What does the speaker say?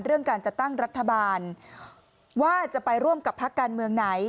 เรื่องการจัดตั้งรัฐบาลว่าจะไปร่วมกับพักการเมืองไหน